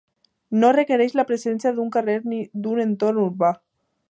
No requereix la presència d'un carrer ni d'un entorn urbà.